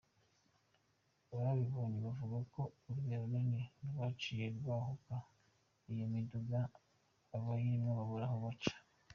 Ababibonye bavuga ko urubera runini rwaciye rwahuka iyo miduga, abayirimwo babura aho baca.